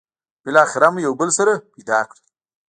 بالاخره مو یو بل سره پيدا کړل.